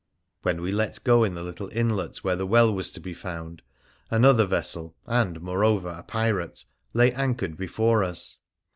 When we let go in the little inlet where the well was to be found, another vessel, and, moreover, a pirate, lay anchored before us.